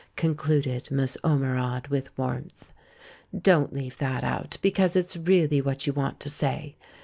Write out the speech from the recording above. concluded Miss Ormerod, with warmth. "Don't leave that out, because it's really what you want to say.